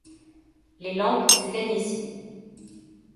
Les lampes s’éteignent ici.